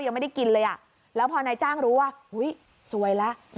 ยังไม่ได้กินเลยอ่ะแล้วพอนายจ้างรู้ว่าอุ๊ยสวยแล้ว